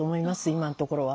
今のところは。